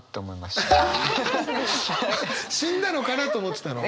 「死んだのかな？」と思ってたの？